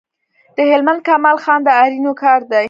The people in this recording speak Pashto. د هلمند کمال خان د آرینو کار دی